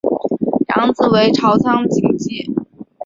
养子为朝仓景纪。